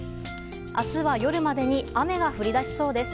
明日は夜までに雨が降り出しそうです。